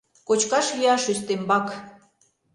Кочкаш-йӱаш ӱстембак